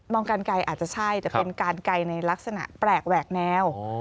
การไกลอาจจะใช่แต่เป็นการไกลในลักษณะแปลกแหวกแนว